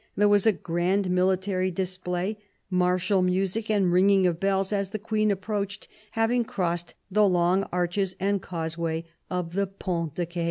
There was a grand military display, martial music and ringing of bells, as the Queen approached, having crossed the long arches and causeways of the Ponts de Ce.